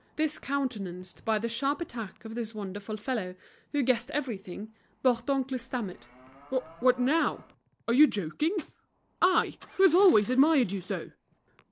Discountenanced by the sharp attack of this wonderful fellow, who guessed everything, Bourdoncle stammered: "What now? Are you joking? I who have always admired you so!"